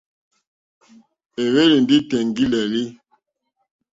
Éhwélì ndí tèŋɡílǃélí.